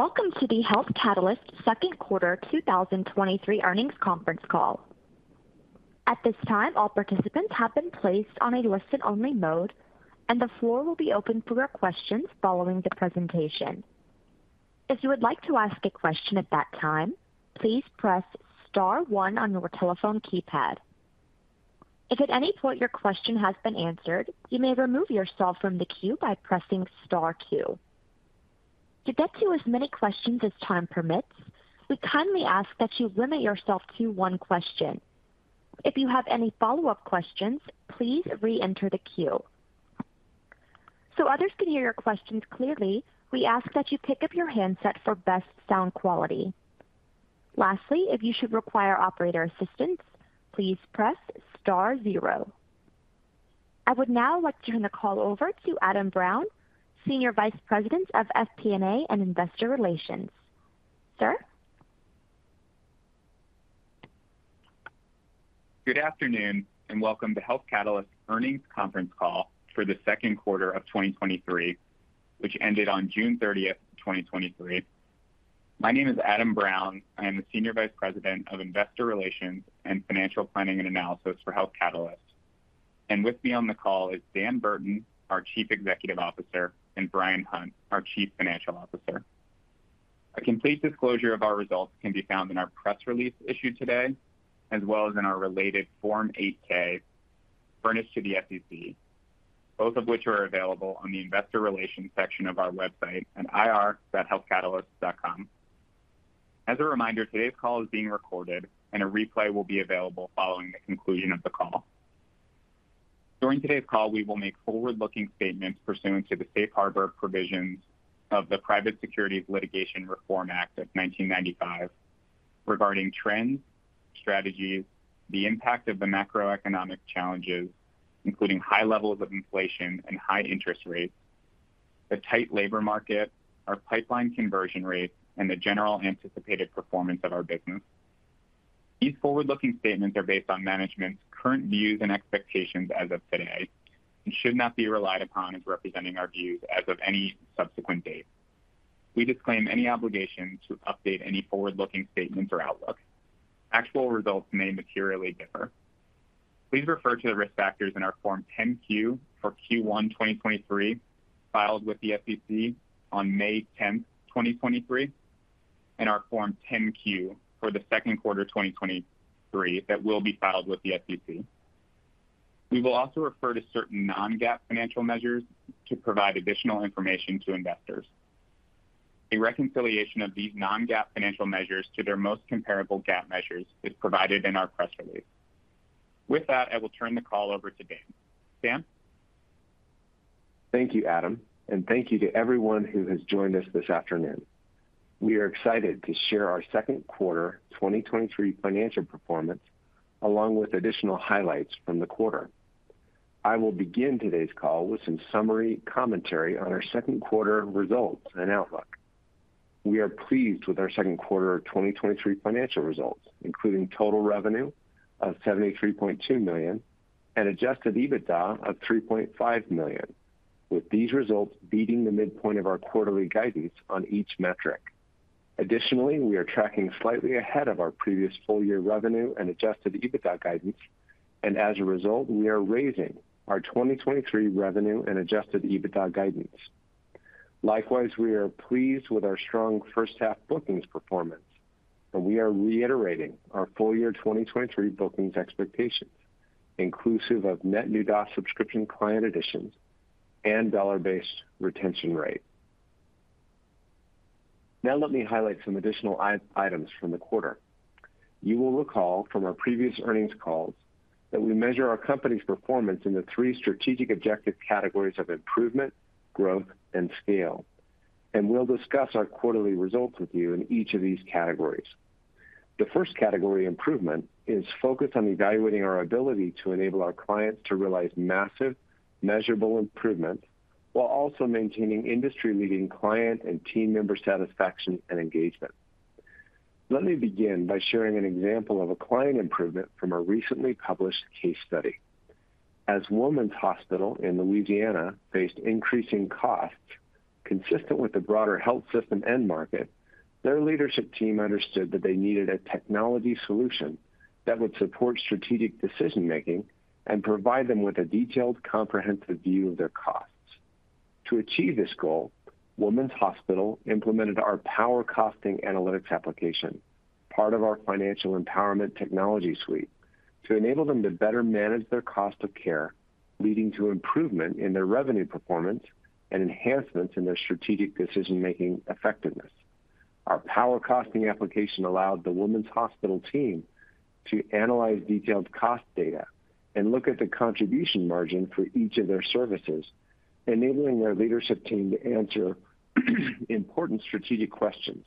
Welcome to the Health Catalyst Q2 2023 Earnings Conference Call. At this time, all participants have been placed on a listen-only mode, and the floor will be open for your questions following the presentation. If you would like to ask a question at that time, please press star one on your telephone keypad. If at any point your question has been answered, you may remove yourself from the queue by pressing star two. To get to as many questions as time permits, we kindly ask that you limit yourself to one question. If you have any follow-up questions, please reenter the queue. Others can hear your questions clearly, we ask that you pick up your handset for best sound quality. Lastly, if you should require operator assistance, please press star zero. I would now like to turn the call over to Adam Brown, Senior Vice President of FP&A and Investor Relations. Sir? Good afternoon, welcome to Health Catalyst's Earnings Conference Call for the Q2 of 2023, which ended on June 30th, 2023. My name is Adam Brown. I am the Senior Vice President of Investor Relations and Financial Planning and Analysis for Health Catalyst. With me on the call is Dan Burton, our Chief Executive Officer, and Bryan Hunt, our Chief Financial Officer. A complete disclosure of our results can be found in our press release issued today, as well as in our related Form 8-K furnished to the SEC, both of which are available on the Investor Relations section of our website at ir.healthcatalyst.com. As a reminder, today's call is being recorded, and a replay will be available following the conclusion of the call. During today's call, we will make forward-looking statements pursuant to the safe harbor provisions of the Private Securities Litigation Reform Act of 1995 regarding trends, strategies, the impact of the macroeconomic challenges, including high levels of inflation and high interest rates, the tight labor market, our pipeline conversion rate, and the general anticipated performance of our business. These forward-looking statements are based on management's current views and expectations as of today and should not be relied upon as representing our views as of any subsequent date. We disclaim any obligation to update any forward-looking statements or outlook. Actual results may materially differ. Please refer to the risk factors in our Form 10-Q for Q1 2023, filed with the SEC on May 10th, 2023, and our Form 10-Q for the Q2 2023, that will be filed with the SEC. We will also refer to certain non-GAAP financial measures to provide additional information to investors. A reconciliation of these non-GAAP financial measures to their most comparable GAAP measures is provided in our press release. With that, I will turn the call over to Dan. Dan? Thank you, Adam. Thank you to everyone who has joined us this afternoon. We are excited to share our Q2 2023 financial performance, along with additional highlights from the quarter. I will begin today's call with some summary commentary on our Q2 results and outlook. We are pleased with our Q2 of 2023 financial results, including total revenue of $73.2 million and Adjusted EBITDA of $3.5 million, with these results beating the midpoint of our quarterly guidance on each metric. Additionally, we are tracking slightly ahead of our previous full year revenue and Adjusted EBITDA guidance. As a result, we are raising our 2023 revenue and Adjusted EBITDA guidance. Likewise, we are pleased with our strong first half bookings performance, and we are reiterating our full year 2023 bookings expectations, inclusive of net new subscription client additions and dollar-based retention rate. Let me highlight some additional items from the quarter. You will recall from our previous earnings calls that we measure our company's performance in the three strategic objective categories of improvement, growth, and scale, and we'll discuss our quarterly results with you in each of these categories. The first category, improvement, is focused on evaluating our ability to enable our clients to realize massive, measurable improvements while also maintaining industry-leading client and team member satisfaction and engagement. Let me begin by sharing an example of a client improvement from a recently published case study. As Woman's Hospital in Louisiana faced increasing costs consistent with the broader health system end market, their leadership team understood that they needed a technology solution that would support strategic decision making and provide them with a detailed, comprehensive view of their costs. To achieve this goal, Woman's Hospital implemented our PowerCosting Analytics application, part of our Financial Empowerment Technology suite, to enable them to better manage their cost of care, leading to improvement in their revenue performance and enhancements in their strategic decision-making effectiveness. Our PowerCosting application allowed the Woman's Hospital team to analyze detailed cost data and look at the contribution margin for each of their services, enabling their leadership team to answer important strategic questions.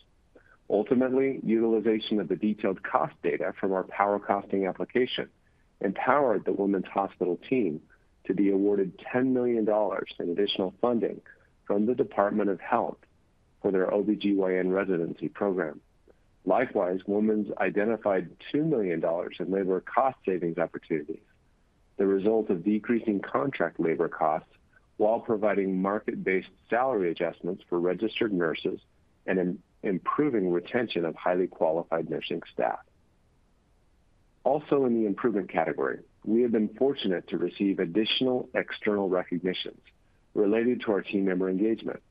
Ultimately, utilization of the detailed cost data from our PowerCosting application empowered the Woman's Hospital team to be awarded $10 million in additional funding from the Department of Health for their OBGYN residency program. Likewise, Woman's identified $2 million in labor cost savings opportunities. The result of decreasing contract labor costs while providing market-based salary adjustments for registered nurses and improving retention of highly qualified nursing staff. Also, in the improvement category, we have been fortunate to receive additional external recognitions related to our team member engagement.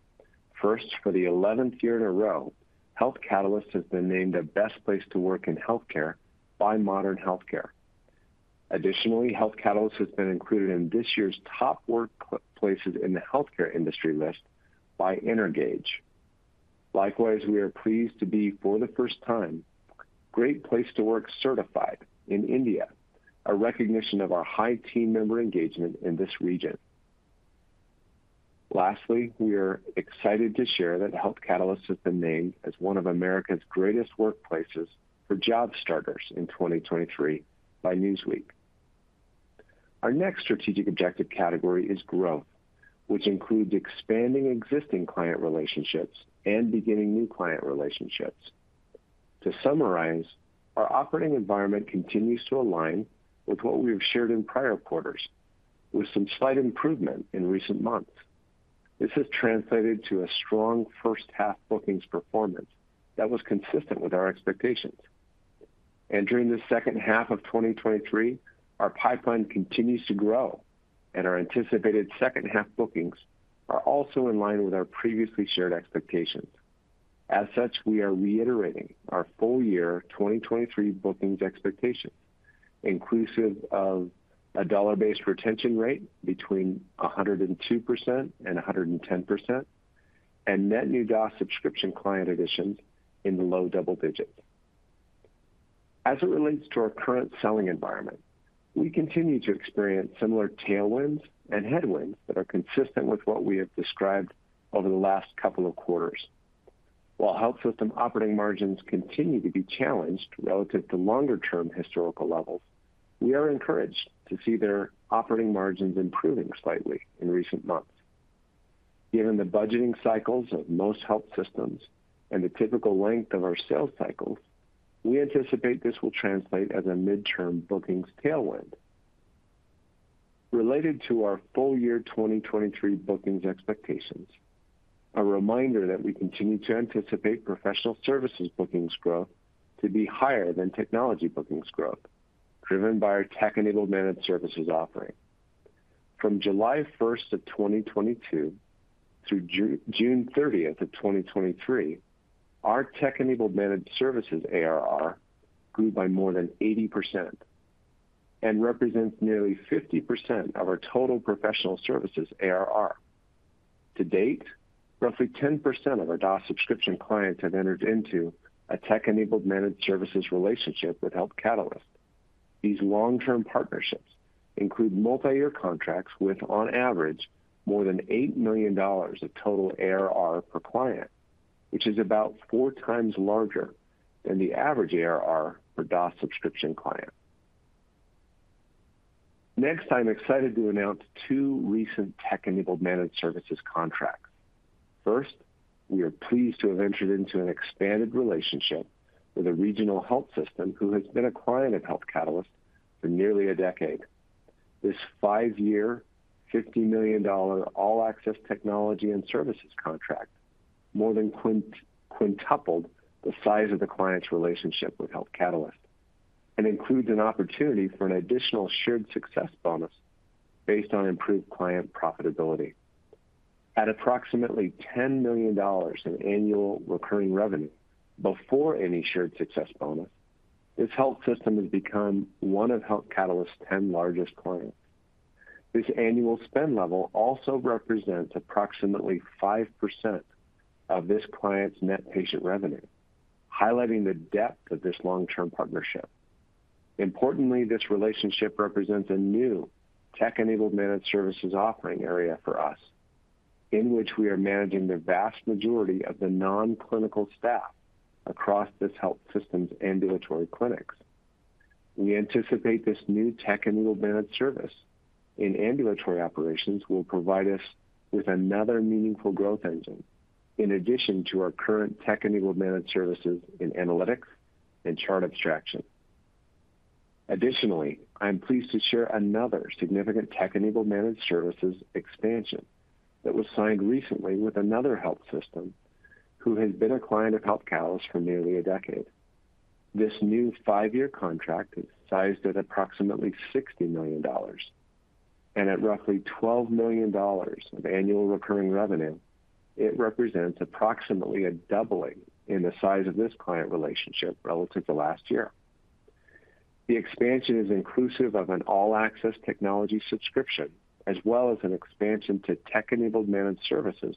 First, for the 11th year in a row, Health Catalyst has been named the Best Place to Work in Healthcare by Modern Healthcare. Additionally, Health Catalyst has been included in this year's Top Workplaces in the Healthcare Industry list by Energage. Likewise, we are pleased to be, for the first time, Great Place to Work certified in India, a recognition of our high team member engagement in this region. Lastly, we are excited to share that Health Catalyst has been named as one of America's greatest workplaces for job starters in 2023 by Newsweek. Our next strategic objective category is growth, which includes expanding existing client relationships and beginning new client relationships. To summarize, our operating environment continues to align with what we have shared in prior quarters, with some slight improvement in recent months. This has translated to a strong first half bookings performance that was consistent with our expectations. During the second half of 2023, our pipeline continues to grow, and our anticipated second half bookings are also in line with our previously shared expectations. As such, we are reiterating our full year 2023 bookings expectations, inclusive of a dollar-based retention rate between 102% and 110%, and net new DOS subscription client additions in the low double digits. As it relates to our current selling environment, we continue to experience similar tailwinds and headwinds that are consistent with what we have described over the last couple of quarters. While health system operating margins continue to be challenged relative to longer term historical levels, we are encouraged to see their operating margins improving slightly in recent months. Given the budgeting cycles of most health systems and the typical length of our sales cycles, we anticipate this will translate as a midterm bookings tailwind. Related to our full year 2023 bookings expectations, a reminder that we continue to anticipate professional services bookings growth to be higher than technology bookings growth, driven by our Tech-Enabled Managed Services offering. From July 1st of 2022 through June 30th of 2023, our Tech-Enabled Managed Services ARR grew by more than 80% and represents nearly 50% of our total professional services ARR. To date, roughly 10% of our DaaS subscription clients have entered into a Tech-Enabled Managed Services relationship with Health Catalyst. These long-term partnerships include multiyear contracts with, on average, more than $8 million of total ARR per client, which is about four times larger than the average ARR for DaaS subscription client. Next, I'm excited to announce two recent Tech-Enabled Managed Services contracts. First, we are pleased to have entered into an expanded relationship with a regional health system who has been a client of Health Catalyst for nearly a decade. This five-year, $50 million All-Access technology and services contract more than quintupled the size of the client's relationship with Health Catalyst and includes an opportunity for an additional shared success bonus based on improved client profitability. At approximately $10 million in annual recurring revenue before any shared success bonus, this health system has become one of Health Catalyst's 10 largest clients. This annual spend level also represents approximately 5% of this client's net patient revenue, highlighting the depth of this long-term partnership. Importantly, this relationship represents a new Tech-Enabled Managed Services offering area for us, in which we are managing the vast majority of the non-clinical staff across this health system's ambulatory clinics. We anticipate this new Tech-Enabled Managed Service in ambulatory operations will provide us with another meaningful growth engine, in addition to our current Tech-Enabled Managed Services in analytics and chart abstraction. Additionally, I'm pleased to share another significant Tech-Enabled Managed Services expansion that was signed recently with another health system who has been a client of Health Catalyst for nearly a decade. This new 5-year contract is sized at approximately $60 million, and at roughly $12 million of annual recurring revenue, it represents approximately a doubling in the size of this client relationship relative to last year. The expansion is inclusive of an All-Access technology subscription, as well as an expansion to Tech-Enabled Managed Services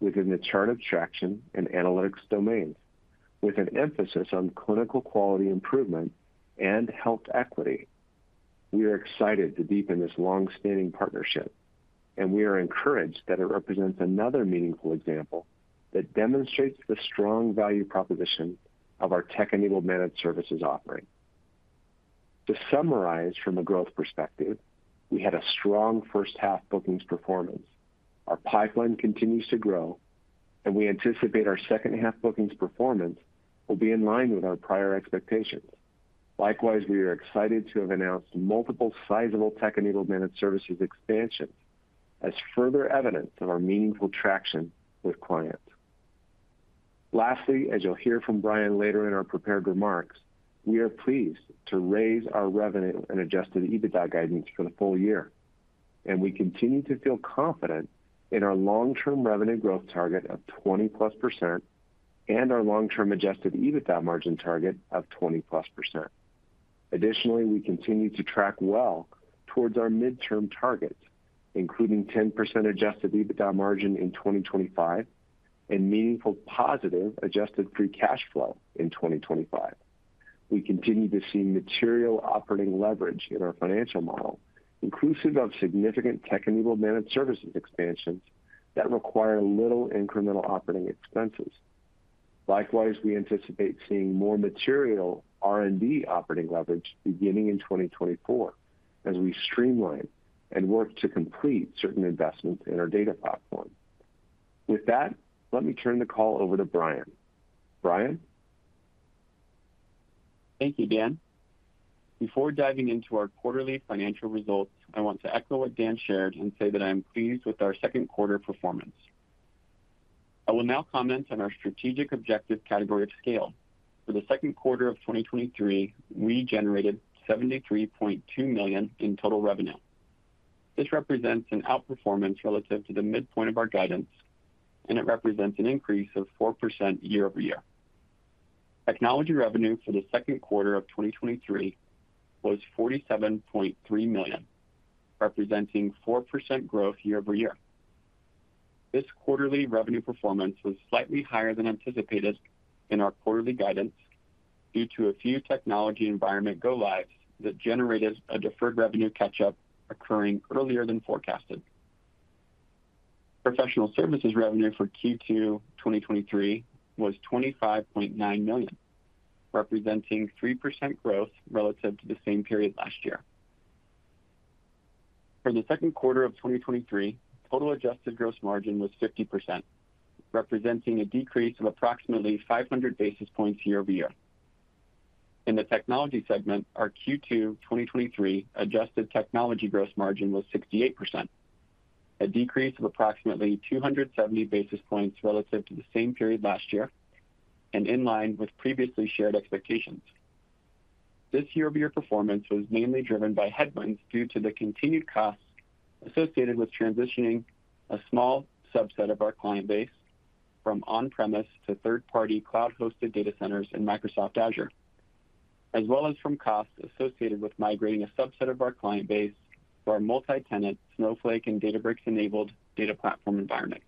within the chart abstraction and analytics domains, with an emphasis on clinical quality improvement and health equity. We are excited to deepen this long-standing partnership. We are encouraged that it represents another meaningful example that demonstrates the strong value proposition of our Tech-Enabled Managed Services offering. To summarize, from a growth perspective, we had a strong first half bookings performance. Our pipeline continues to grow. We anticipate our second half bookings performance will be in line with our prior expectations. Likewise, we are excited to have announced multiple sizable Tech-Enabled Managed Services expansions as further evidence of our meaningful traction with clients. Lastly, as you'll hear from Bryan later in our prepared remarks, we are pleased to raise our revenue and Adjusted EBITDA guidance for the full year. We continue to feel confident in our long-term revenue growth target of 20%+ and our long-term Adjusted EBITDA margin target of 20%+. Additionally, we continue to track well towards our midterm targets, including 10% Adjusted EBITDA margin in 2025 and meaningful positive adjusted free cash flow in 2025. We continue to see material operating leverage in our financial model, inclusive of significant Tech-Enabled Managed Services expansions that require little incremental operating expenses. Likewise, we anticipate seeing more material R&D operating leverage beginning in 2024 as we streamline and work to complete certain investments in our data platform. With that, let me turn the call over to Bryan. Bryan? Thank you, Dan. Before diving into our quarterly financial results, I want to echo what Dan shared and say that I am pleased with our Q2 performance. I will now comment on our strategic objective category of scale. For the Q2 of 2023, we generated $73.2 million in total revenue. This represents an outperformance relative to the midpoint of our guidance, and it represents an increase of 4% year-over-year. Technology revenue for the Q2 of 2023 was $47.3 million, representing 4% growth year-over-year. This quarterly revenue performance was slightly higher than anticipated in our quarterly guidance due to a few technology environment go-lives that generated a deferred revenue catch-up occurring earlier than forecasted. Professional services revenue for Q2 2023 was $25.9 million, representing 3% growth relative to the same period last year. For the Q2 of 2023, total adjusted gross margin was 50%, representing a decrease of approximately 500 basis points year-over-year. In the technology segment, our Q2 2023 adjusted technology gross margin was 68%, a decrease of approximately 270 basis points relative to the same period last year and in line with previously shared expectations. This year-over-year performance was mainly driven by headwinds due to the continued costs associated with transitioning a small subset of our client base from on-premise to third-party cloud-hosted data centers in Microsoft Azure, as well as from costs associated with migrating a subset of our client base to our multi-tenant Snowflake and Databricks-enabled data platform environment,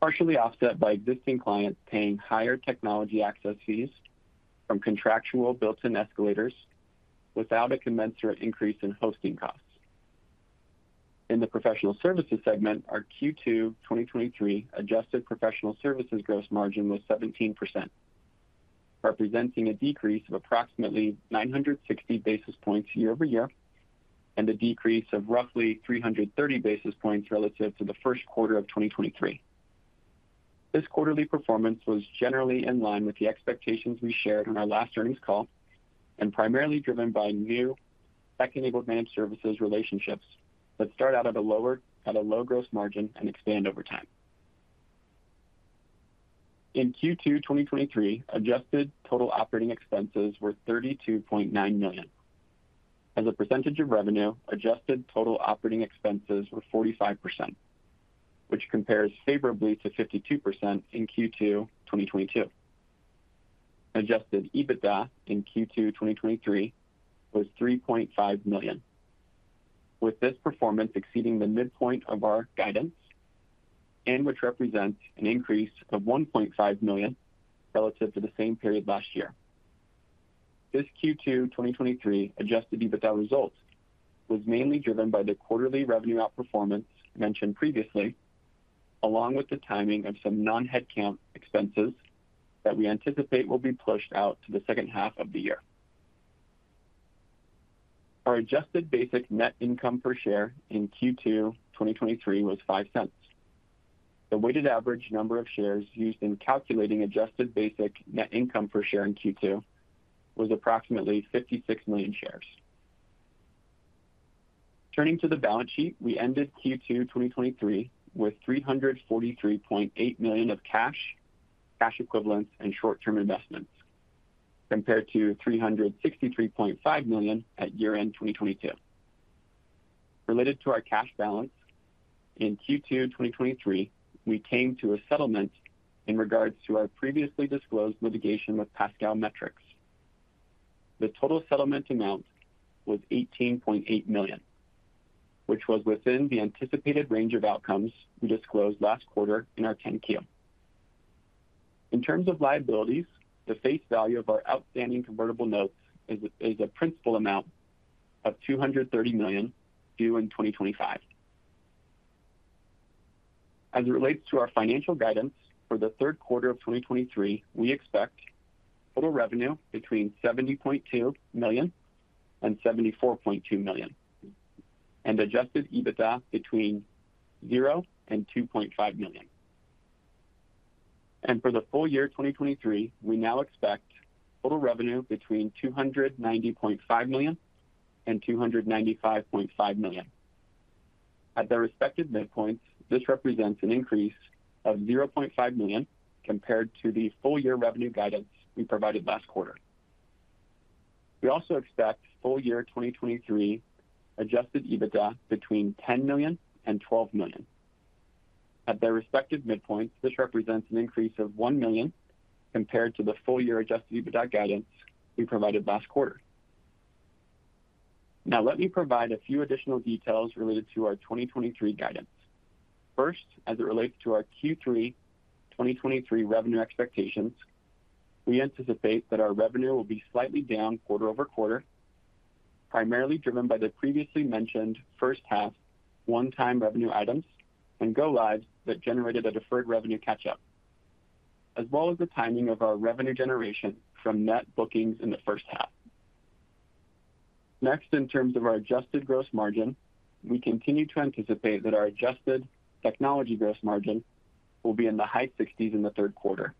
partially offset by existing clients paying higher technology access fees from contractual built-in escalators without a commensurate increase in hosting costs. In the professional services segment, our Q2 2023 adjusted professional services gross margin was 17%, representing a decrease of approximately 960 basis points year-over-year, and a decrease of roughly 330 basis points relative to the Q1 of 2023. This quarterly performance was generally in line with the expectations we shared on our last earnings call and primarily driven by new Tech-Enabled Managed Services relationships that start out at a low gross margin and expand over time. In Q2 2023, adjusted total operating expenses were $32.9 million. As a percentage of revenue, adjusted total operating expenses were 45%, which compares favorably to 52% in Q2 2022. Adjusted EBITDA in Q2 2023 was $3.5 million, with this performance exceeding the midpoint of our guidance and which represents an increase of $1.5 million relative to the same period last year. This Q2 2023 Adjusted EBITDA result was mainly driven by the quarterly revenue outperformance mentioned previously, along with the timing of some non-headcount expenses that we anticipate will be pushed out to the second half of the year. Our adjusted basic net income per share in Q2 2023 was $0.05. The weighted average number of shares used in calculating adjusted basic net income per share in Q2 was approximately 56 million shares. Turning to the balance sheet, we ended Q2 2023 with $343.8 million of cash, cash equivalents, and short-term investments, compared to $363.5 million at year-end 2022. Related to our cash balance, in Q2 2023, we came to a settlement in regards to our previously disclosed litigation with Pascals METRICS. The total settlement amount was $18.8 million, which was within the anticipated range of outcomes we disclosed last quarter in our 10-K. In terms of liabilities, the face value of our outstanding convertible notes is a principal amount of $230 million due in 2025. As it relates to our financial guidance for the Q3 of 2023, we expect total revenue between $70.2 million and $74.2 million and Adjusted EBITDA between $0 and $2.5 million. For the full year 2023, we now expect total revenue between $290.5 million and $295.5 million. At their respective midpoints, this represents an increase of $0.5 million compared to the full year revenue guidance we provided last quarter. We also expect full year 2023 Adjusted EBITDA between $10 million and $12 million. At their respective midpoints, this represents an increase of $1 million compared to the full year Adjusted EBITDA guidance we provided last quarter. Now, let me provide a few additional details related to our 2023 guidance. First, as it relates to our Q3 2023 revenue expectations, we anticipate that our revenue will be slightly down quarter-over-quarter, primarily driven by the previously mentioned first half one-time revenue items and go lives that generated a deferred revenue catch-up, as well as the timing of our revenue generation from net bookings in the first half. Next, in terms of our adjusted gross margin, we continue to anticipate that our adjusted technology gross margin will be in the high sixties in the Q3.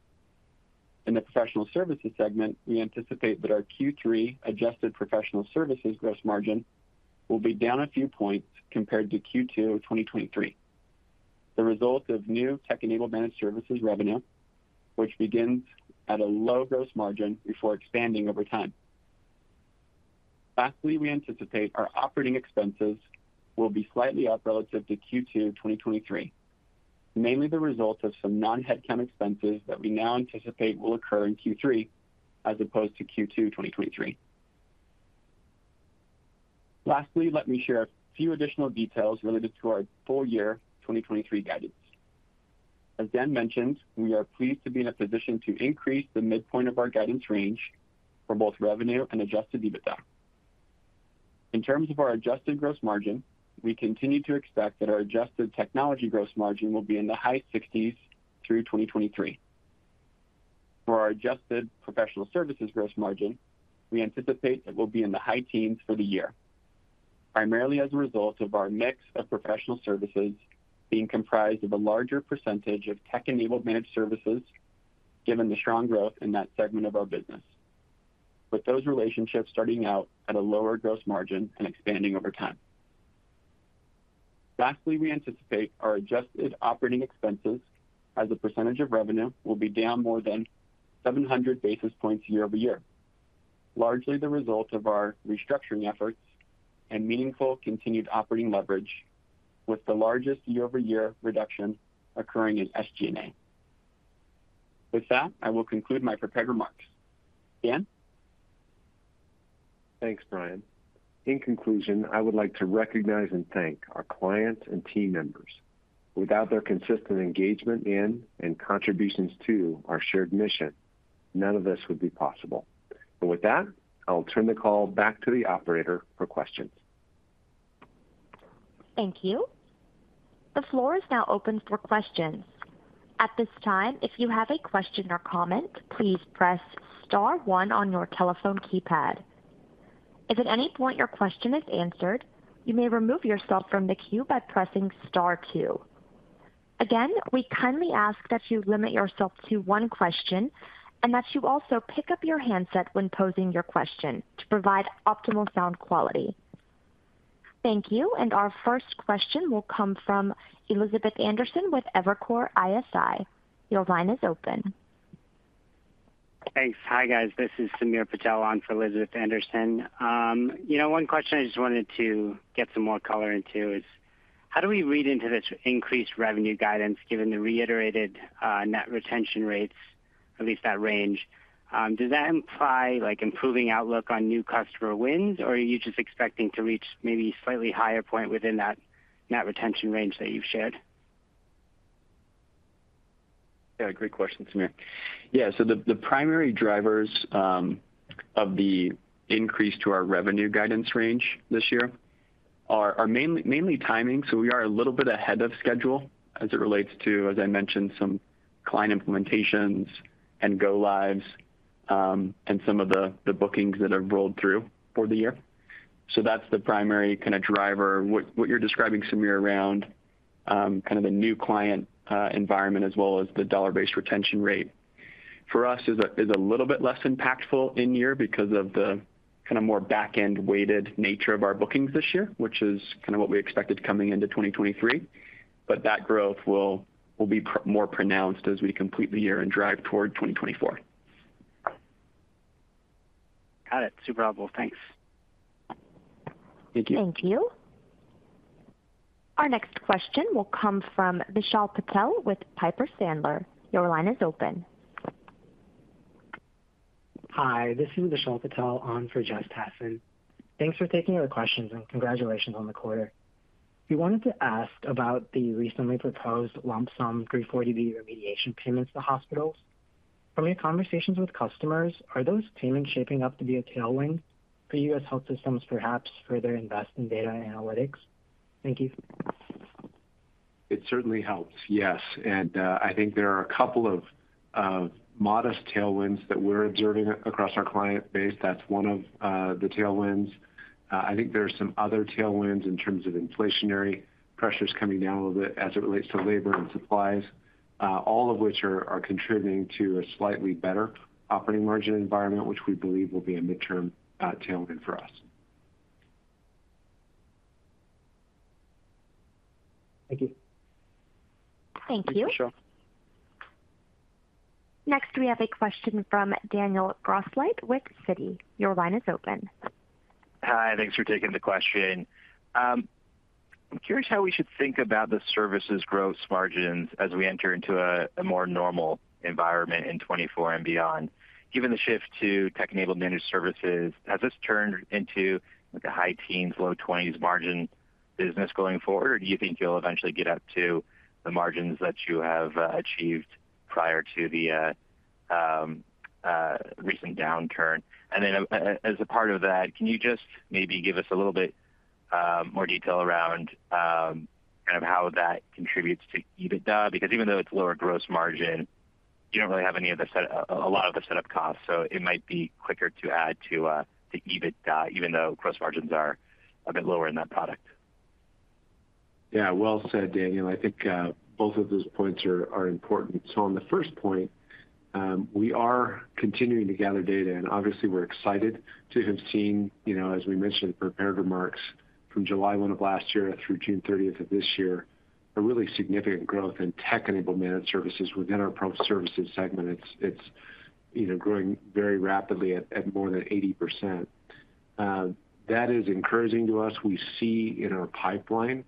In the professional services segment, we anticipate that our Q3 adjusted professional services gross margin will be down a few points compared to Q2 2023. The result of new Tech-Enabled Managed Services revenue, which begins at a low gross margin before expanding over time. Lastly, we anticipate our operating expenses will be slightly up relative to Q2 2023, mainly the result of some non-headcount expenses that we now anticipate will occur in Q3 as opposed to Q2 2023. Lastly, let me share a few additional details related to our full year 2023 guidance. As Dan mentioned, we are pleased to be in a position to increase the midpoint of our guidance range for both revenue and Adjusted EBITDA. In terms of our adjusted gross margin, we continue to expect that our adjusted technology gross margin will be in the high sixties through 2023. For our adjusted professional services gross margin, we anticipate it will be in the high teens for the year, primarily as a result of our mix of professional services being comprised of a larger % of Tech-Enabled Managed Services, given the strong growth in that segment of our business, with those relationships starting out at a lower gross margin and expanding over time. Lastly, we anticipate our adjusted operating expenses as a % of revenue will be down more than 700 basis points year-over-year, largely the result of our restructuring efforts and meaningful continued operating leverage, with the largest year-over-year reduction occurring in SG&A. That, I will conclude my prepared remarks. Dan? Thanks, Brian. In conclusion, I would like to recognize and thank our clients and team members. Without their consistent engagement in and contributions to our shared mission, none of this would be possible. With that, I'll turn the call back to the operator for questions. Thank you. The floor is now open for questions. At this time, if you have a question or comment, please press star one on your telephone keypad. If at any point your question is answered, you may remove yourself from the queue by pressing star two. Again, we kindly ask that you limit yourself to one question and that you also pick up your handset when posing your question to provide optimal sound quality. Thank you. Our first question will come from Elizabeth Anderson with Evercore ISI. Your line is open. Thanks. Hi, guys. This is Sameer Patel on for Elizabeth Anderson. You know, one question I just wanted to get some more color into is: how do we read into this increased revenue guidance, given the reiterated net retention rates, at least that range? Does that imply, like, improving outlook on new customer wins, or are you just expecting to reach maybe a slightly higher point within that net retention range that you've shared? Great question, Samir. The, the primary drivers of the increase to our revenue guidance range this year are, are mainly, mainly timing. We are a little bit ahead of schedule as it relates to, as I mentioned, some client implementations and go lives, and some of the, the bookings that have rolled through for the year. That's the primary kinda driver. What, what you're describing, Samir, around kind of the new client environment as well as the dollar-based retention rate, for us is a, is a little bit less impactful in year because of the kinda more back-end-weighted nature of our bookings this year, which is kinda what we expected coming into 2023. That growth will, will be more pronounced as we complete the year and drive toward 2024. Got it. Super helpful. Thanks. Thank you. Thank you. Our next question will come from Vishal Patel with Piper Sandler. Your line is open. Hi, this is Vishal Patel on for Jess Tassan. Thanks for taking our questions, and congratulations on the quarter. We wanted to ask about the recently proposed lump sum 340B remediation payments to hospitals. From your conversations with customers, are those payments shaping up to be a tailwind for U.S. Health Systems, perhaps further invest in data and analytics? Thank you.... It certainly helps, yes. I think there are a couple of, of modest tailwinds that we're observing across our client base. That's one of the tailwinds. I think there's some other tailwinds in terms of inflationary pressures coming down a little bit as it relates to labor and supplies, all of which are, are contributing to a slightly better operating margin environment, which we believe will be a midterm tailwind for us. Thank you. Thank you. Thanks, Vishal. Next, we have a question from Daniel Grosslight with Citi. Your line is open. Hi, thanks for taking the question. I'm curious how we should think about the services gross margins as we enter into a more normal environment in 2024 and beyond. Given the shift to Tech-Enabled Managed Services, has this turned into, like, a high teens, low 20s margin business going forward? You think you'll eventually get up to the margins that you have achieved prior to the recent downturn? As a part of that, can you just maybe give us a little bit more detail around kind of how that contributes to EBITDA? Because even though it's lower gross margin, you don't really have any of a lot of the setup costs, so it might be quicker to add to the EBITDA, even though gross margins are a bit lower in that product. Yeah, well said, Daniel. I think, both of those points are, are important. On the first point, we are continuing to gather data, and obviously, we're excited to have seen, you know, as we mentioned in prepared remarks, from July 1 of last year through June 30 of this year, a really significant growth in Tech-Enabled Managed Services within our pro services segment. It's, it's, you know, growing very rapidly at, at more than 80%. That is encouraging to us. We see in our pipeline,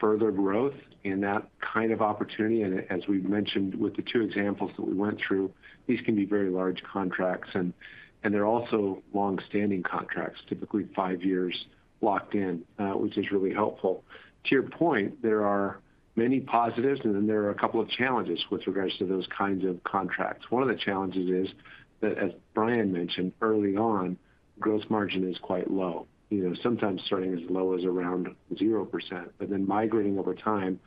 further growth in that kind of opportunity, and as we've mentioned with the two examples that we went through, these can be very large contracts, and, and they're also long-standing contracts, typically 5 years locked in, which is really helpful. To your point, there are many positives, and then there are a couple of challenges with regards to those kinds of contracts. One of the challenges is that, as Bryan mentioned early on, gross margin is quite low, you know, sometimes starting as low as around 0%, but then migrating over time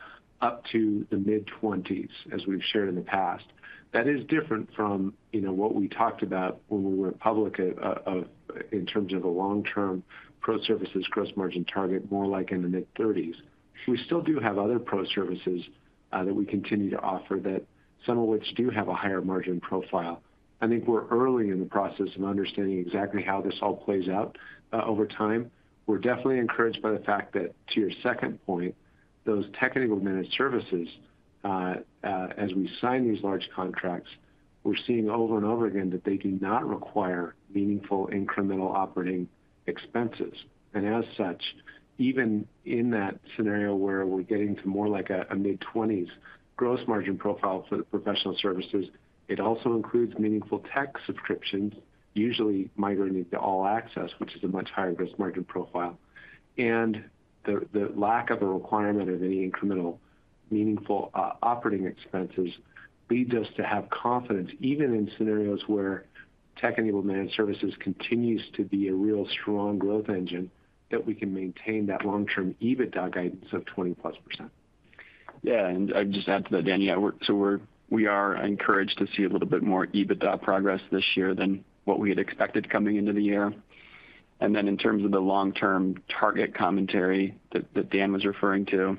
up to the mid-20s, as we've shared in the past. That is different from, you know, what we talked about when we went public in terms of a long-term pro services gross margin target, more like in the mid-30s. We still do have other pro services that we continue to offer, that some of which do have a higher margin profile. I think we're early in the process of understanding exactly how this all plays out over time. We're definitely encouraged by the fact that, to your second point, those Tech-Enabled Managed Services, as we sign these large contracts, we're seeing over and over again that they do not require meaningful incremental operating expenses. As such, even in that scenario where we're getting to more like a mid-20s gross margin profile for the professional services, it also includes meaningful tech subscriptions, usually migrating to All-Access, which is a much higher gross margin profile. The lack of a requirement of any incremental meaningful operating expenses leads us to have confidence, even in scenarios where Tech-Enabled Managed Services continues to be a real strong growth engine, that we can maintain that long-term EBITDA guidance of 20%+. Yeah, I'd just add to that, Danny, I work- so we're- we are encouraged to see a little bit more EBITDA progress this year than what we had expected coming into the year. Then in terms of the long-term target commentary that, that Dan was referring to,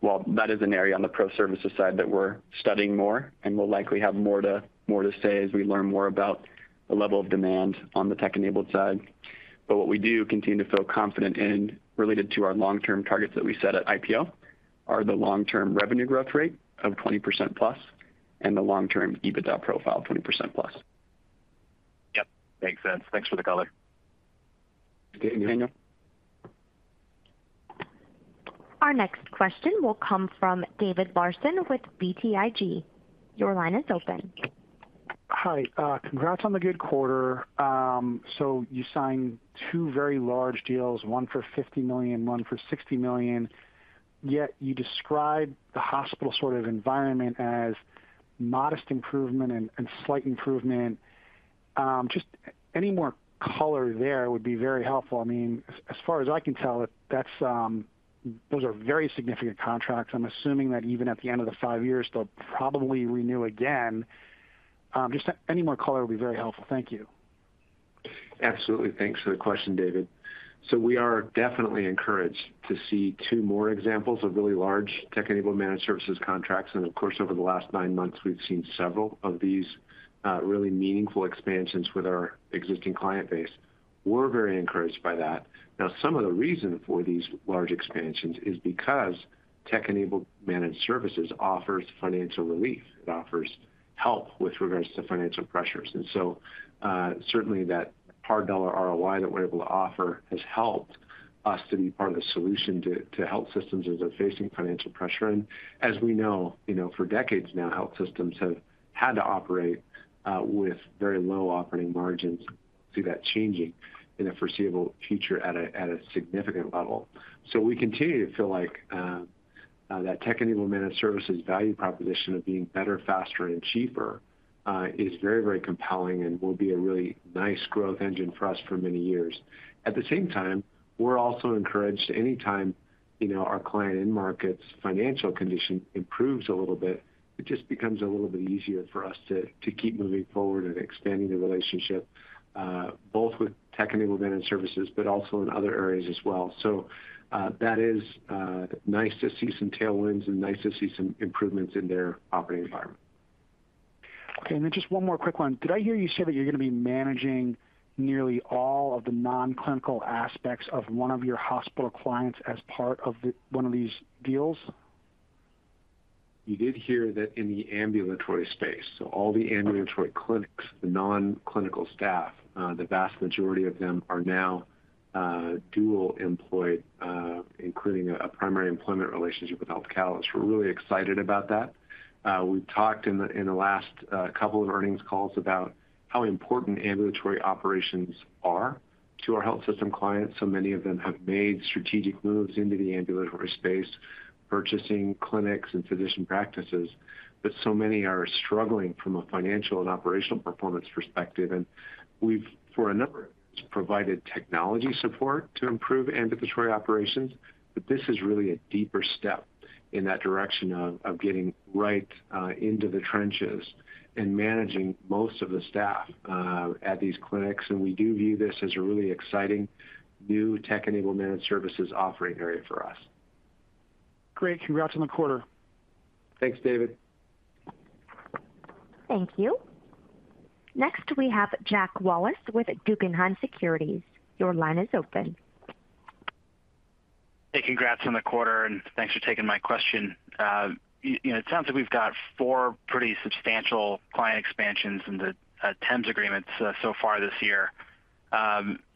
well, that is an area on the pro services side that we're studying more, and we'll likely have more to, more to say as we learn more about the level of demand on the tech-enabled side. But what we do continue to feel confident in, related to our long-term targets that we set at IPO, are the long-term revenue growth rate of 20%+ and the long-term EBITDA profile, 20%+. Yep, makes sense. Thanks for the color. Thank you, Daniel. Our next question will come from David Larsen with BTIG. Your line is open. Hi. Congrats on the good quarter. You signed two very large deals, one for $50 million, one for $60 million, yet you described the hospital sort of environment as modest improvement and, and slight improvement. Just any more color there would be very helpful. I mean, as, as far as I can tell, that's... Those are very significant contracts. I'm assuming that even at the end of the five years, they'll probably renew again. Just any more color would be very helpful. Thank you. Absolutely. Thanks for the question, David. We are definitely encouraged to see two more examples of really large Tech-Enabled Managed Services contracts. Of course, over the last nine months, we've seen several of these really meaningful expansions with our existing client base. We're very encouraged by that. Now, some of the reason for these large expansions is because Tech-Enabled Managed Services offers financial relief. It offers help with regards to financial pressures. Certainly that hard dollar ROI that we're able to offer has helped us to be part of the solution to, to health systems as they're facing financial pressure. As we know, you know, for decades now, health systems have had to operate with very low operating margins, see that changing in the foreseeable future at a, at a significant level. We continue to feel like... That Tech-Enabled Managed Services value proposition of being better, faster, and cheaper, is very, very compelling and will be a really nice growth engine for us for many years. At the same time, we're also encouraged anytime, you know, our client end markets financial condition improves a little bit, it just becomes a little bit easier for us to, to keep moving forward and expanding the relationship, both with Tech-Enabled Managed Services, but also in other areas as well. That is nice to see some tailwinds and nice to see some improvements in their operating environment. Okay, then just one more quick one. Did I hear you say that you're going to be managing nearly all of the non-clinical aspects of one of your hospital clients as part of one of these deals? You did hear that in the ambulatory space. So all the ambulatory clinics, the non-clinical staff, the vast majority of them are now dual employed, including a primary employment relationship with Health Catalyst. We're really excited about that. We've talked in the, in the last couple of earnings calls about how important ambulatory operations are to our health system clients. So many of them have made strategic moves into the ambulatory space, purchasing clinics and physician practices, but so many are struggling from a financial and operational performance perspective. And we've, for a number of years, provided technology support to improve ambulatory operations, but this is really a deeper step in that direction of, of getting right into the trenches and managing most of the staff at these clinics. We do view this as a really exciting new Tech-Enabled Managed Services offering area for us. Great. Congrats on the quarter. Thanks, David. Thank you. Next, we have Jack Wallace with Guggenheim Securities. Your line is open. Hey, congrats on the quarter, and thanks for taking my question. Y- you know, it sounds like we've got four pretty substantial client expansions in the TEMS agreements so far this year.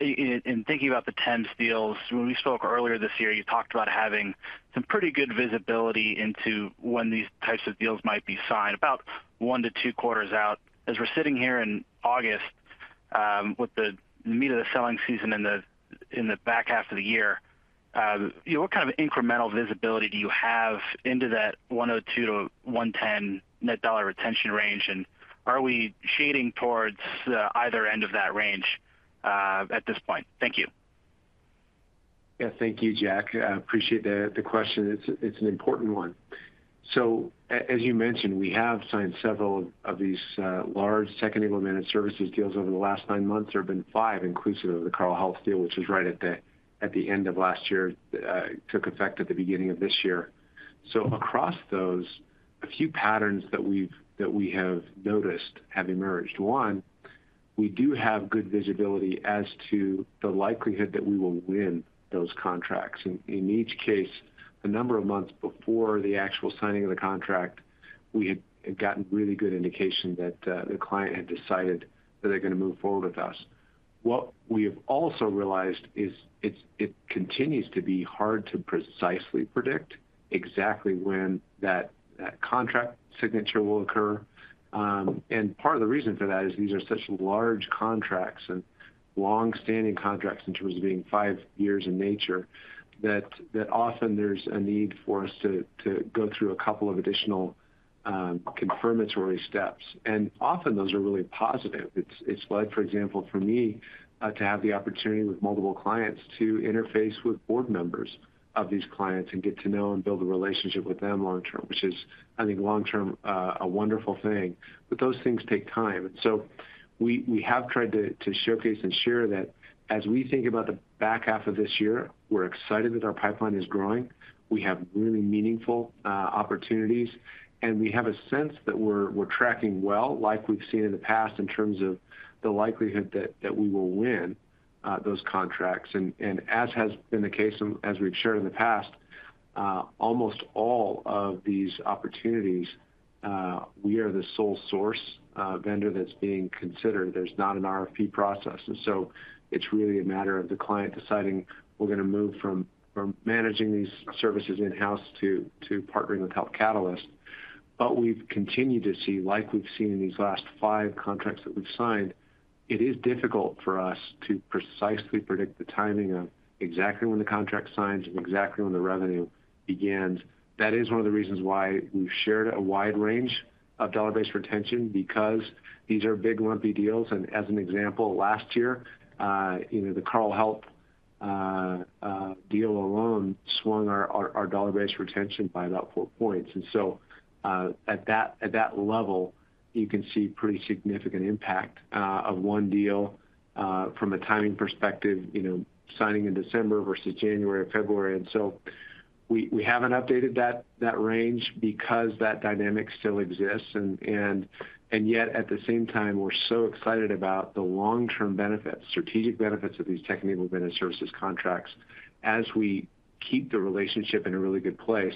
In, in thinking about the TEMS deals, when we spoke earlier this year, you talked about having some pretty good visibility into when these types of deals might be signed, about one to two quarters out. As we're sitting here in August, with the meat of the selling season in the back half of the year, what kind of incremental visibility do you have into that 102%-110% net dollar retention range? And are we shading towards either end of that range at this point? Thank you. Yeah, thank you, Jack. I appreciate the question. It's an important one. As you mentioned, we have signed several of these large Tech-Enabled Managed Services deals over the last 9 months. There have been 5, inclusive of the Carle Health deal, which was right at the end of last year, took effect at the beginning of this year. Across those, a few patterns that we have noticed have emerged. One, we do have good visibility as to the likelihood that we will win those contracts. In each case, a number of months before the actual signing of the contract, we had gotten really good indication that the client had decided that they're going to move forward with us. What we have also realized is, it continues to be hard to precisely predict exactly when that, that contract signature will occur. Part of the reason for that is these are such large contracts and long-standing contracts in terms of being 5 years in nature, that, that often there's a need for us to, to go through a couple of additional, confirmatory steps, and often those are really positive. It's, it's like, for example, for me, to have the opportunity with multiple clients to interface with board members of these clients and get to know and build a relationship with them long term, which is, I think, long term, a wonderful thing. Those things take time. We, we have tried to, to showcase and share that as we think about the back half of this year, we're excited that our pipeline is growing. We have really meaningful opportunities, and we have a sense that we're, we're tracking well, like we've seen in the past, in terms of the likelihood that, that we will win those contracts. As has been the case, and as we've shared in the past, almost all of these opportunities, we are the sole source vendor that's being considered. There's not an RFP process, and so it's really a matter of the client deciding we're going to move from, from managing these services in-house to, to partnering with Health Catalyst. We've continued to see, like we've seen in these last five contracts that we've signed, it is difficult for us to precisely predict the timing of exactly when the contract signs and exactly when the revenue begins. That is one of the reasons why we've shared a wide range of dollar-based retention, because these are big, lumpy deals. As an example, last year, you know, the Carle Health deal alone swung our, our, our dollar-based retention by about four points. So, at that, at that level, you can see pretty significant impact of one deal from a timing perspective, you know, signing in December versus January or February. So we, we haven't updated that, that range because that dynamic still exists, and, and, and yet, at the same time, we're so excited about the long-term benefits, strategic benefits of these Tech-Enabled Managed Services contracts. As we keep the relationship in a really good place,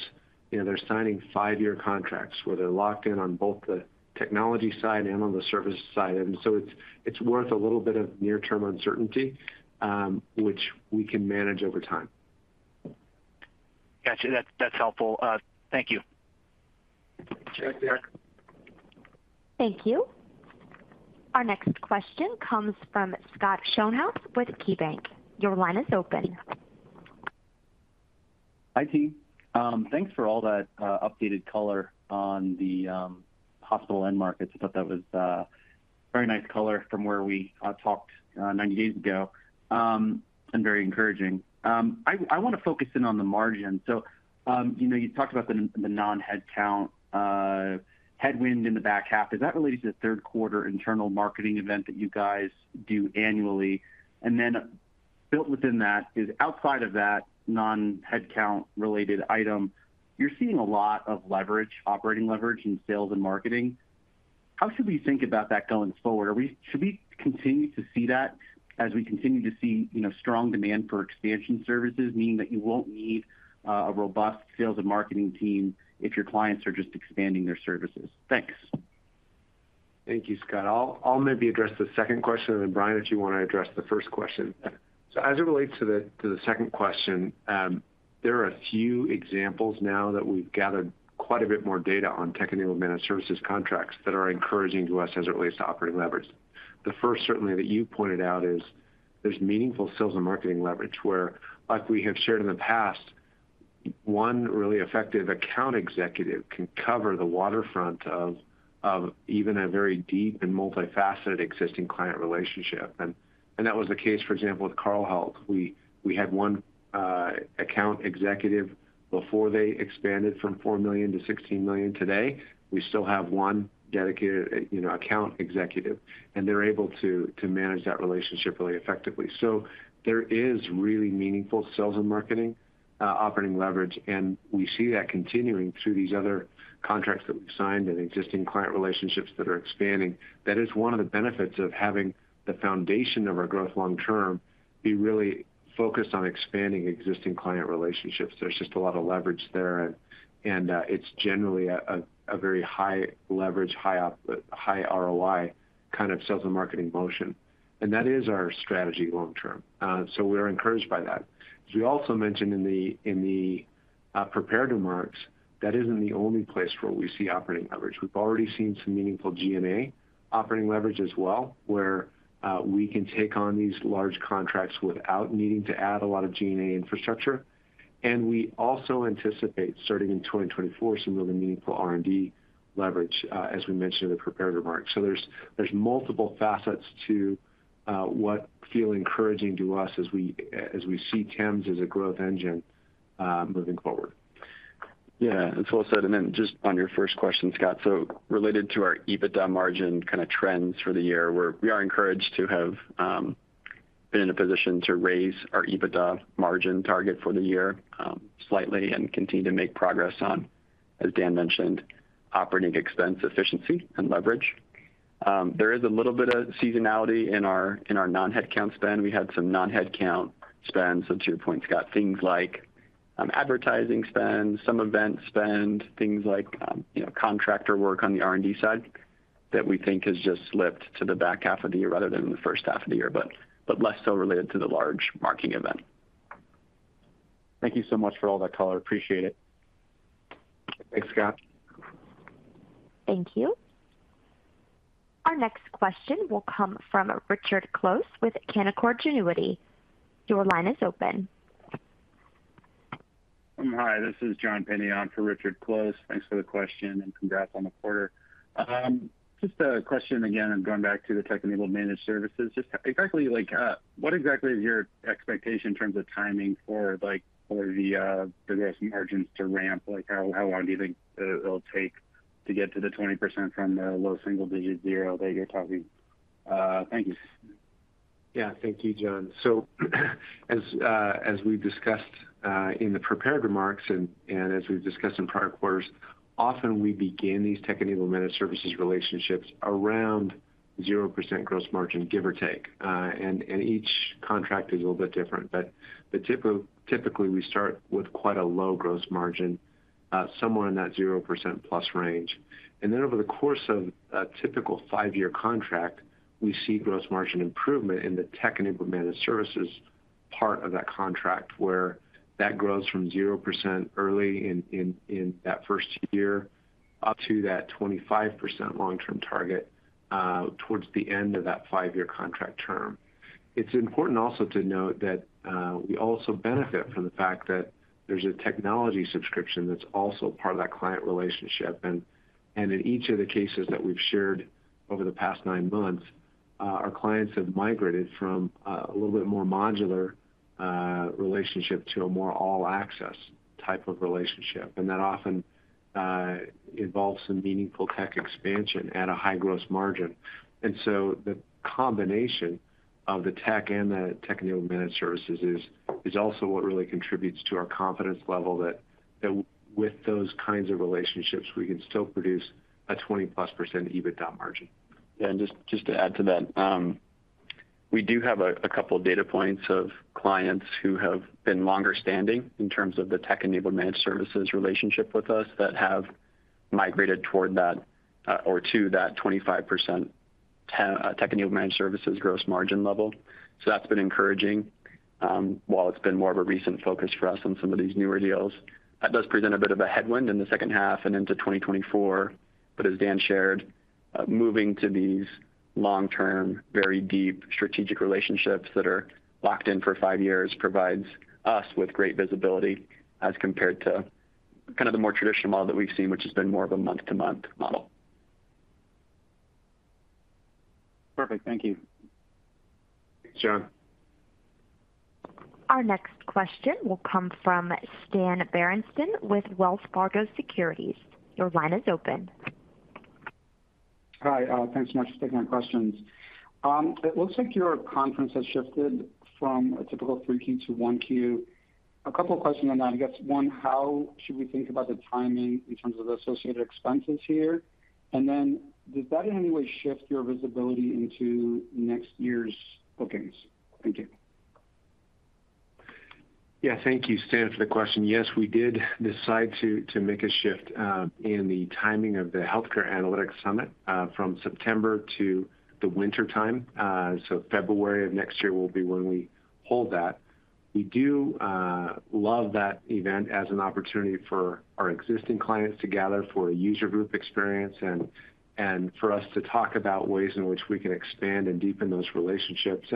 you know, they're signing five-year contracts, where they're locked in on both the technology side and on the service side. So it's, it's worth a little bit of near-term uncertainty, which we can manage over time. Gotcha. That, that's helpful. Thank you. Check there. Thank you. Our next question comes from Scott Schoenhaus with KeyBanc. Your line is open. Hi, team. Thanks for all that updated color on the hospital end markets. I thought that was a very nice color from where we talked 90 days ago, and very encouraging. I, I want to focus in on the margin. You know, you talked about the non-headcount headwind in the back half. Does that relate to the Q3 internal marketing event that you guys do annually? Built within that is outside of that non-headcount-related item, you're seeing a lot of leverage, operating leverage in sales and marketing. How should we think about that going forward? Should we continue to see that as we continue to see, you know, strong demand for expansion services, meaning that you won't need a robust sales and marketing team if your clients are just expanding their services? Thanks. Thank you, Scott. I'll, I'll maybe address the second question, and then, Bryan, if you want to address the first question. As it relates to the, to the second question, there are a few examples now that we've gathered quite a bit more data on Tech-Enabled Managed Services contracts that are encouraging to us as it relates to operating leverage. The first, certainly, that you pointed out is there's meaningful sales and marketing leverage, where, like we have shared in the past, one really effective account executive can cover the waterfront of, of even a very deep and multifaceted existing client relationship. That was the case, for example, with Carle Health. We, we had one account executive before they expanded from $4 million to $16 million today. We still have one dedicated, you know, account executive, and they're able to manage that relationship really effectively. There is really meaningful sales and marketing operating leverage, and we see that continuing through these other contracts that we've signed and existing client relationships that are expanding. That is one of the benefits of having the foundation of our growth long term be really focused on expanding existing client relationships. There's just a lot of leverage there, it's generally a very high leverage, high ROI kind of sales and marketing motion. That is our strategy long term. We are encouraged by that. As we also mentioned in the prepared remarks, that isn't the only place where we see operating leverage. We've already seen some meaningful G&A operating leverage as well, where, we can take on these large contracts without needing to add a lot of G&A infrastructure. We also anticipate, starting in 2024, some really meaningful R&D leverage, as we mentioned in the prepared remarks. There's, there's multiple facets to, what feel encouraging to us as we, as we see TEMS as a growth engine, moving forward. Yeah, that's well said. Just on your first question, Scott, so related to our EBITDA margin kind of trends for the year, we are encouraged to have been in a position to raise our EBITDA margin target for the year, slightly and continue to make progress on, as Dan mentioned, operating expense, efficiency and leverage. There is a little bit of seasonality in our, in our non-headcount spend. We had some non-headcount spend, so to your point, Scott, things like advertising spend, some event spend, things like, you know, contractor work on the R&D side that we think has just slipped to the back half of the year rather than the first half of the year, but, but less so related to the large marketing event. Thank you so much for all that color. Appreciate it. Thanks, Scott. Thank you. Our next question will come from Richard Close with Canaccord Genuity. Your line is open. Hi, this is John Penny on for Richard Close. Thanks for the question, congrats on the quarter. Just a question again, going back to the Tech-Enabled Managed Services. Just exactly like, what exactly is your expectation in terms of timing for, like, for the gross margins to ramp? Like, how long do you think it'll take to get to the 20% from the low single digits 0 that you're talking? Thank you. Yeah. Thank you, John. As we've discussed in the prepared remarks and as we've discussed in prior quarters, often we begin these Tech-Enabled Managed Services relationships around 0% gross margin, give or take. Each contract is a little bit different. Typically, we start with quite a low gross margin, somewhere in that 0% plus range. Over the course of a typical 5-year contract, we see gross margin improvement in the Tech-Enabled Managed Services part of that contract, where that grows from 0% early in that first year, up to that 25% long-term target, towards the end of that 5-year contract term. It's important also to note that, we also benefit from the fact that there's a technology subscription that's also part of that client relationship. In each of the cases that we've shared over the past nine months, our clients have migrated from a little bit more modular relationship to a more All-Access type of relationship, and that often involves some meaningful tech expansion at a high gross margin. The combination of the tech and the Tech-Enabled Managed Services is also what really contributes to our confidence level that with those kinds of relationships, we can still produce a 20-plus % EBITDA margin. Yeah, just, just to add to that, we do have a couple of data points of clients who have been longer standing in terms of the Tech-Enabled Managed Services relationship with us, that have migrated toward that, or to that 25%-... Tech-Enabled Managed Services gross margin level. That's been encouraging. While it's been more of a recent focus for us on some of these newer deals, that does present a bit of a headwind in the second half and into 2024. As Dan shared, moving to these long-term, very deep strategic relationships that are locked in for 5 years provides us with great visibility as compared to kind of the more traditional model that we've seen, which has been more of a month-to-month model. Perfect. Thank you. John. Our next question will come from Stan Berenshteyn with Wells Fargo Securities. Your line is open. Hi, thanks so much for taking my questions. It looks like your conference has shifted from a typical 3Q to 1Q. A couple of questions on that. I guess 1, how should we think about the timing in terms of the associated expenses here? Then does that in any way shift your visibility into next year's bookings? Thank you. Yeah, thank you, Stan, for the question. Yes, we did decide to, to make a shift in the timing of the Healthcare Analytics Summit from September to the wintertime. February of next year will be when we hold that. We do love that event as an opportunity for our existing clients to gather for a user group experience and, and for us to talk about ways in which we can expand and deepen those relationships.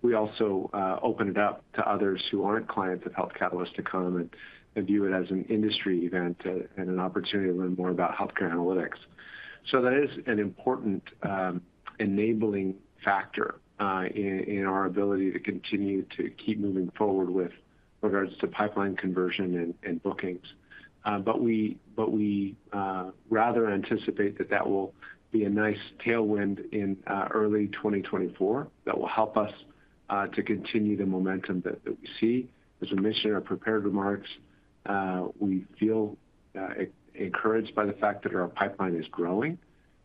We also open it up to others who aren't clients of Health Catalyst to come and, and view it as an industry event and an opportunity to learn more about healthcare analytics. That is an important enabling factor in, in our ability to continue to keep moving forward with regards to pipeline conversion and, and bookings. We, but we, rather anticipate that that will be a nice tailwind in early 2024, that will help us to continue the momentum that we see. As I mentioned in our prepared remarks, we feel encouraged by the fact that our pipeline is growing.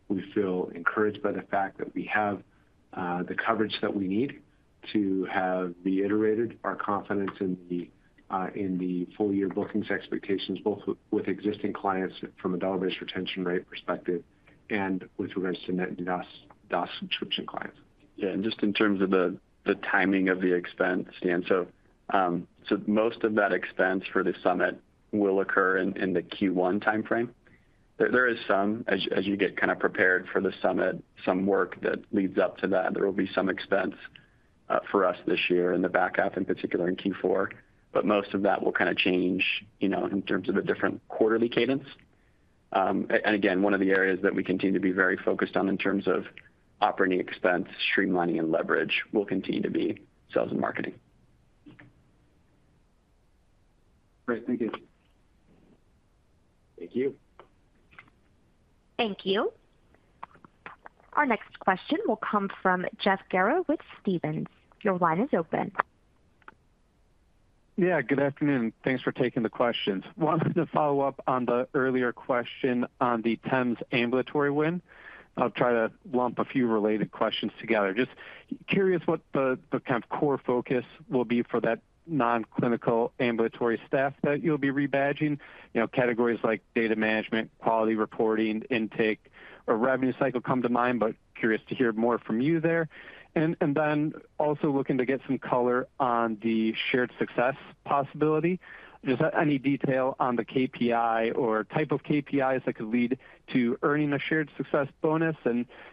We feel encouraged by the fact that we have the coverage that we need to have reiterated our confidence in the in the full year bookings expectations, both with, with existing clients from a dollar-based retention rate perspective, and with regards to net DOS, DOS subscription clients. Just in terms of the, the timing of the expense, Stan. Most of that expense for the summit will occur in, in the Q1 timeframe. There, there is some, as you get kind of prepared for the summit, some work that leads up to that. There will be some expense for us this year in the back half, in particular in Q4, but most of that will kind of change, you know, in terms of a different quarterly cadence. And again, one of the areas that we continue to be very focused on in terms of operating expense, streamlining and leverage, will continue to be sales and marketing. Great. Thank you. Thank you. Thank you. Our next question will come from Jeff Garro with Stephens. Your line is open. Yeah, good afternoon. Thanks for taking the questions. Wanted to follow up on the earlier question on the TEMS ambulatory win. I'll try to lump a few related questions together. Just curious what the, the kind of core focus will be for that non-clinical ambulatory staff that you'll be rebadging. You know, categories like data management, quality reporting, intake or revenue cycle come to mind, but curious to hear more from you there. Then also looking to get some color on the shared success possibility. Just, any detail on the KPI or type of KPIs that could lead to earning a shared success bonus?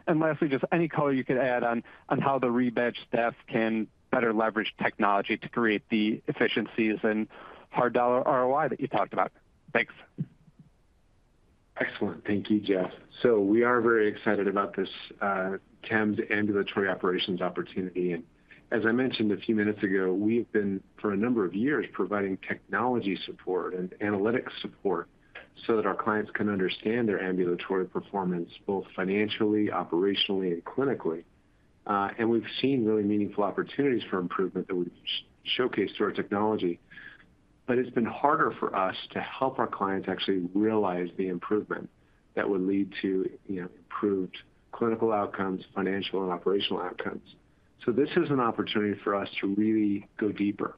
Lastly, just any color you could add on, on how the rebadge staff can better leverage technology to create the efficiencies and hard dollar ROI that you talked about. Thanks. Excellent. Thank you, Jeff. We are very excited about this TEMS Ambulatory operations opportunity, and as I mentioned a few minutes ago, we've been, for a number of years, providing technology support and analytics support so that our clients can understand their ambulatory performance, both financially, operationally, and clinically. We've seen really meaningful opportunities for improvement that we showcase to our technology. It's been harder for us to help our clients actually realize the improvement that would lead to, you know, improved clinical outcomes, financial and operational outcomes. This is an opportunity for us to really go deeper.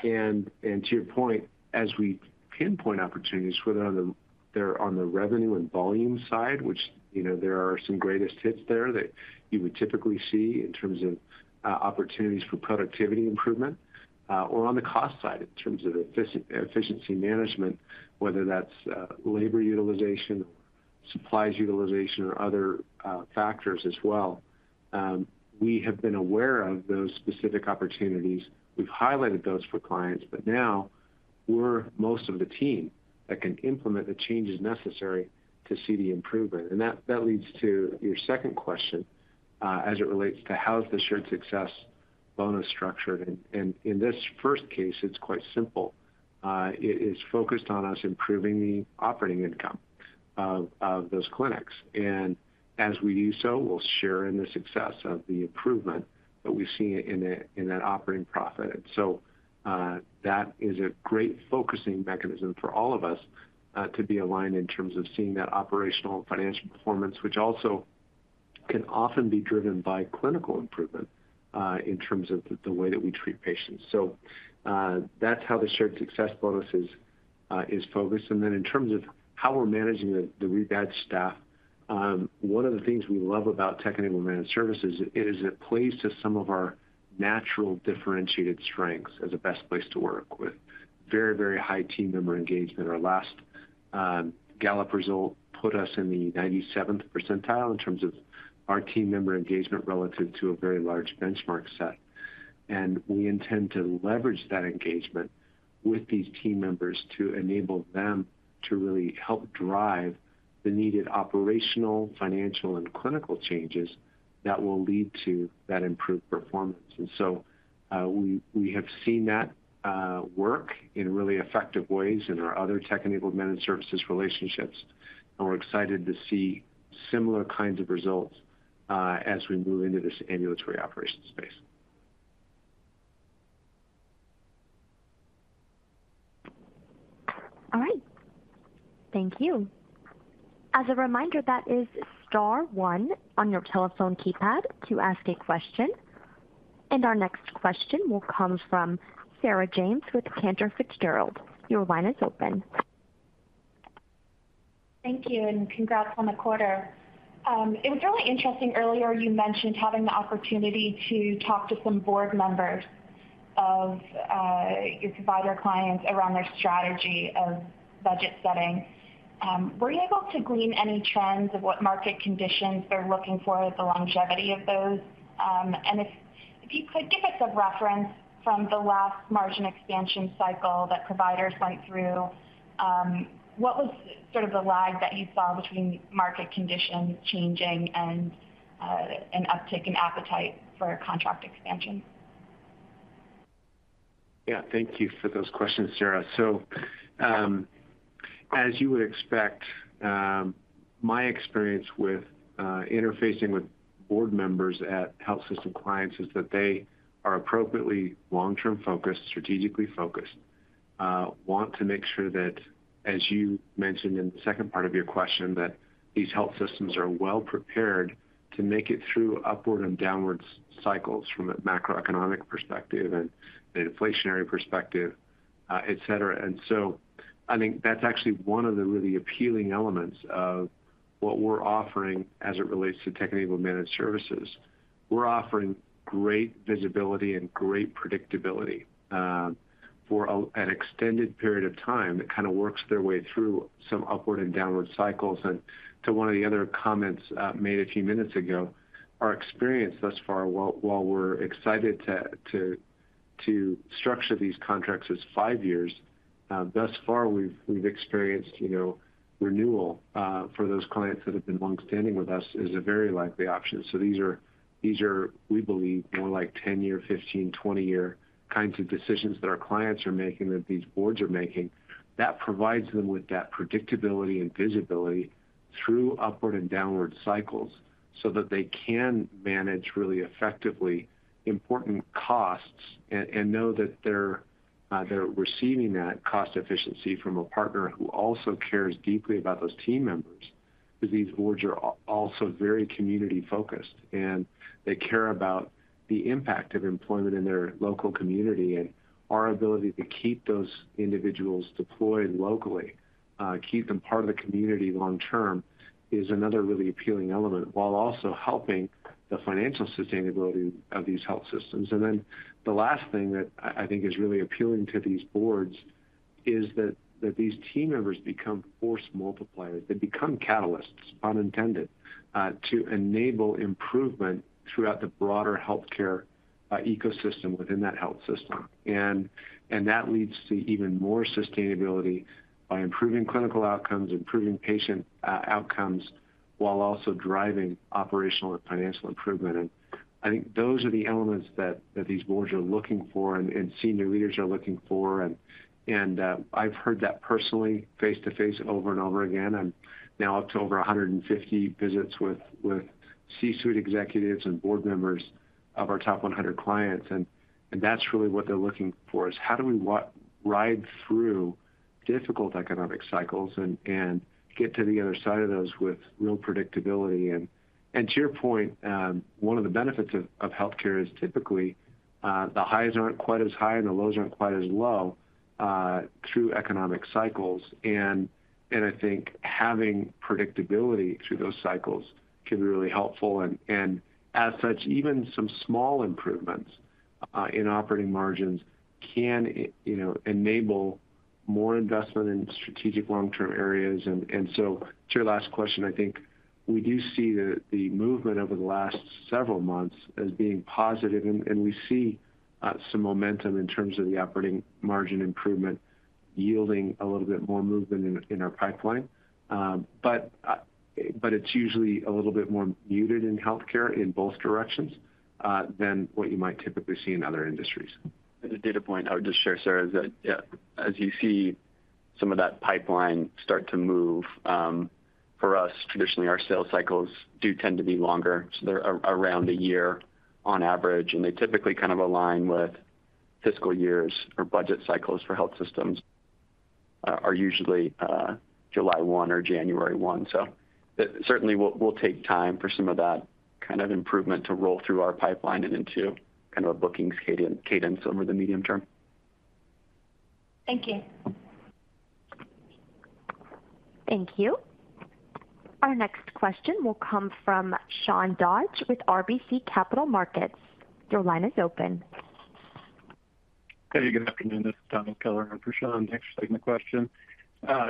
To your point, as we pinpoint opportunities, whether they're on the revenue and volume side, which, you know, there are some greatest hits there that you would typically see in terms of opportunities for productivity improvement, or on the cost side in terms of efficiency management, whether that's labor utilization, supplies utilization, or other factors as well. We have been aware of those specific opportunities. We've highlighted those for clients, but now we're most of the team that can implement the changes necessary to see the improvement. That, that leads to your second question, as it relates to how is the shared success bonus structured? In this first case, it's quite simple. It is focused on us improving the operating income of those clinics. As we do so, we'll share in the success of the improvement that we see in that operating profit. That is a great focusing mechanism for all of us to be aligned in terms of seeing that operational and financial performance, which also can often be driven by clinical improvement in terms of the way that we treat patients. That's how the shared success bonus is structured. Is focused. In terms of how we're managing the rebad staff, one of the things we love about Tech-Enabled Managed Services is it plays to some of our natural differentiated strengths as a best place to work with very, very high team member engagement. Our last Gallup result put us in the 97th % in terms of our team member engagement relative to a very large benchmark set. We intend to leverage that engagement with these team members to enable them to really help drive the needed operational, financial, and clinical changes that will lead to that improved performance. We, we have seen that work in really effective ways in our other Tech-Enabled Managed Services relationships, and we're excited to see similar kinds of results as we move into this ambulatory operation space. All right. Thank you. As a reminder, that is star one on your telephone keypad to ask a question. Our next question will come from Sarah James with Cantor Fitzgerald. Your line is open. Thank you, and congrats on the quarter. It was really interesting earlier, you mentioned having the opportunity to talk to some board members of your provider clients around their strategy of budget setting. Were you able to glean any trends of what market conditions they're looking for, the longevity of those? If, if you could, give us a reference from the last margin expansion cycle that providers went through, what was sort of the lag that you saw between market conditions changing and an uptick in appetite for contract expansion? Yeah, thank you for those questions, Sarah. As you would expect, my experience with interfacing with board members at health system clients is that they are appropriately long-term focused, strategically focused, want to make sure that, as you mentioned in the second part of your question, that these health systems are well prepared to make it through upward and downward cycles from a macroeconomic perspective and an inflationary perspective, et cetera. I think that's actually one of the really appealing elements of what we're offering as it relates to Tech-Enabled Managed Services. We're offering great visibility and great predictability, for an extended period of time that kind of works their way through some upward and downward cycles. To one of the other comments, made a few minutes ago, our experience thus far, while, while we're excited to, to, to structure these contracts as 5 years, thus far we've, we've experienced, you know, renewal, for those clients that have been long-standing with us is a very likely option. These are, these are, we believe, more like 10-year, 15, 20-year kinds of decisions that our clients are making, that these boards are making, that provides them with that predictability and visibility through upward and downward cycles so that they can manage really effectively important costs and, and know that they're, they're receiving that cost efficiency from a partner who also cares deeply about those team members. Because these boards are also very community-focused, and they care about the impact of employment in their local community, and our ability to keep those individuals deployed locally, keep them part of the community long term, is another really appealing element, while also helping the financial sustainability of these health systems. The last thing that I, I think is really appealing to these boards is that, that these team members become force multipliers. They become catalysts, pun intended, to enable improvement throughout the broader healthcare ecosystem within that health system. That leads to even more sustainability by improving clinical outcomes, improving patient outcomes, while also driving operational and financial improvement. I think those are the elements that, that these boards are looking for and, and senior leaders are looking for. I've heard that personally face-to-face over and over again. I'm now up to over 150 visits with C-suite executives and board members of our top 100 clients, and that's really what they're looking for, is how do we ride through difficult economic cycles and get to the other side of those with real predictability? To your point, one of the benefits of healthcare is typically the highs aren't quite as high, and the lows aren't quite as low through economic cycles. I think having predictability through those cycles can be really helpful. As such, even some small improvements in operating margins can you know, enable more investment in strategic long-term areas. To your last question, I think we do see the, the movement over the last several months as being positive, and, and we see some momentum in terms of the operating margin improvement yielding a little bit more movement in, in our pipeline. But it's usually a little bit more muted in healthcare in both directions than what you might typically see in other industries. The data point I would just share, Sarah, is that, yeah, as you see some of that pipeline start to move, for us, traditionally, our sales cycles do tend to be longer. They're around a year on average, and they typically kind of align with fiscal years or budget cycles for health systems, are usually, July 1 or January 1. It certainly will, will take time for some of that kind of improvement to roll through our pipeline and into kind of a bookings cadence, cadence over the medium term. Thank you. Thank you. Our next question will come from Sean Dodge with RBC Capital Markets. Your line is open. Hey, good afternoon. This is Thomas Keller in for Sean Dodge. Thanks for taking the question.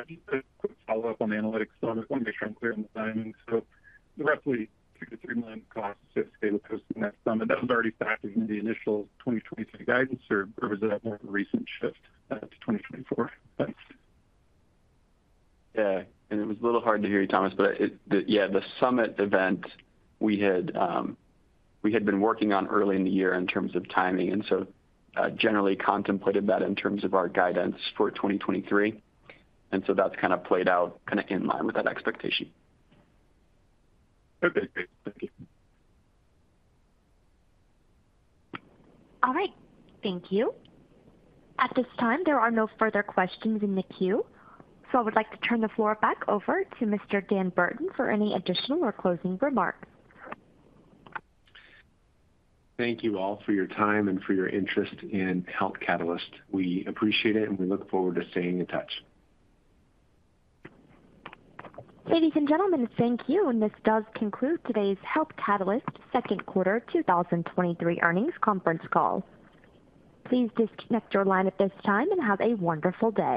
Just a quick follow-up on the analytics element. I want to make sure I'm clear on the timing. So the roughly $2 million-$3 million costs at scale across the next Healthcare Analytics Summit, that was already factored into the initial 2023 guidance, or was that more of a recent shift to 2024? Thanks. Yeah, and it was a little hard to hear you, Thomas, but, yeah, the summit event we had, we had been working on early in the year in terms of timing, and so, generally contemplated that in terms of our guidance for 2023, and so that's kind of played out kind of in line with that expectation. Okay. Great. Thank you. All right. Thank you. At this time, there are no further questions in the queue. I would like to turn the floor back over to Mr. Dan Burton for any additional or closing remarks. Thank you all for your time and for your interest in Health Catalyst. We appreciate it, and we look forward to staying in touch. Ladies and gentlemen, thank you, and this does conclude today's Health Catalyst Q2 2023 earnings conference call. Please disconnect your line at this time and have a wonderful day.